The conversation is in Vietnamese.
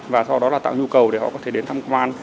và sau đó là tạo nhu cầu để họ có thể đến thăm quan